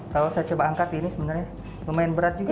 kalau saya coba angkat ini sebenarnya lumayan berat juga